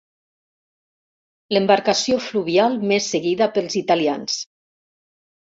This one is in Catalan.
L'embarcació fluvial més seguida pels italians.